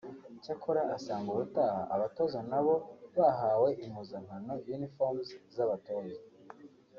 Icyakora asanga ubutaha abatoza na bo bahawe impuzankano (Uniforms) z’abatoza